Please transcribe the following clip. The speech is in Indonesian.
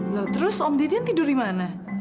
loh terus om didian tidur di mana